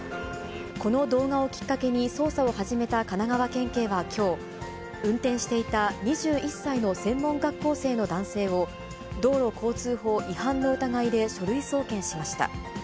この動画をきっかけに、捜査を始めた神奈川県警はきょう、運転していた２１歳の専門学校生の男性を、道路交通法違反の疑いで書類送検しました。